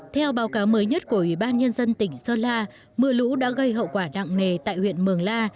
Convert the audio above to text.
theo báo cáo mới nhất của ủy ban nhân dân tỉnh sơn la mưa lũ đã gây hậu quả nặng nề tại huyện mường la